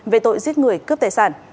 về tội giết người cướp tài sản